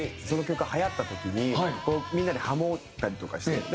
その曲がはやった時にみんなでハモったりとかして。